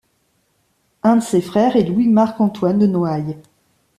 Un de ses frères est Louis Marc Antoine de Noailles.